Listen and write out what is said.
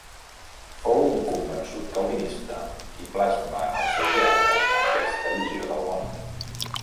Fou un convençut calvinista i plasma en el seu teatre aquesta visió del món.